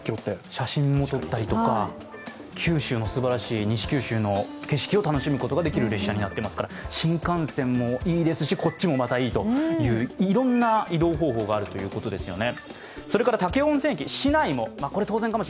写真を撮ったりとか、西九州のすばらしい景色を楽しめる列車になっていますから新幹線もいいですし、こっちもまたいいという、いろんな移動方法があるということですよね。